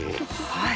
はい。